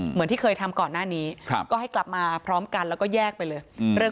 เหมือนที่เคยทำก่อนหน้านี้ก็ให้กลับมาพร้อมกันแล้วก็แยกไปเลย